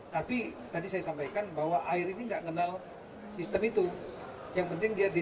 tapi tadi saya sampaikan bahwa ada yang di central government ada yang di local government nah ini membuatnya menjadi lebih dinamis